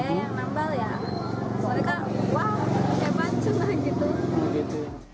saya yang nabal ya mereka wow kemancing lah gitu